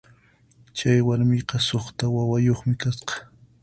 Chay warmiqa suqta wawayuqmi kasqa.